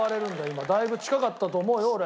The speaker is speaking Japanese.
今だいぶ近かったと思うよ俺。